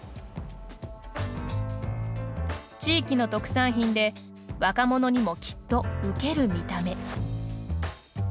地域の特産品で若者にもきっと「うける」見た目。